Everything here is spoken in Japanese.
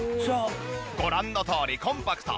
ご覧のとおりコンパクト。